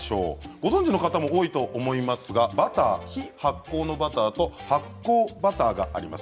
ご存じの方も多いと思いますがバターは非発酵のバターと発酵バターがあります。